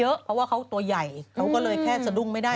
เพราะว่าเขาตัวใหญ่เขาก็เลยแค่สะดุ้งไม่ได้